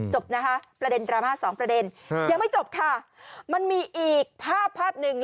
จบนะคะประเด็นดราม่าสองประเด็นยังไม่จบค่ะมันมีอีกภาพภาพหนึ่ง